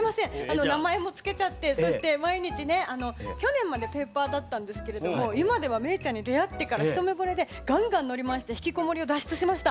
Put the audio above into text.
名前も付けちゃってそして毎日ね去年までペーパーだったんですけれども今ではめーちゃんの出会ってから一目ぼれでガンガン乗り回して引きこもりを脱出しました。